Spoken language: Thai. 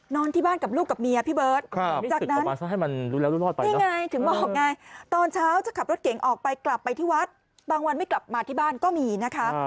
นอนที่บ้านกับลูกกับเมียพี่เบิร์ตจากนั้นถึงบอกไงตอนเช้าจะขับรถเก่งออกไปกลับไปที่วัดบางวันไม่กลับมาที่บ้านก็มีนะคะ